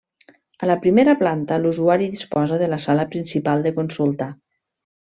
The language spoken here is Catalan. A la primera planta l’usuari disposa de la sala principal de consulta.